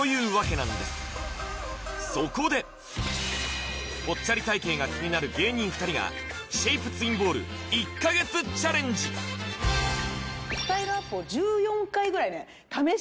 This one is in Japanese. そこでぽっちゃり体形が気になる芸人２人がシェイプツインボール１か月チャレンジ１４回？